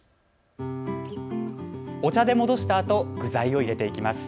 お茶で戻したあと具材を入れていきます。